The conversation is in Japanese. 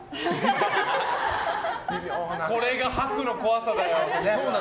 これが白の怖さだよ。